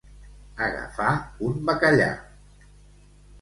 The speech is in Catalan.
Agafar un bacallà.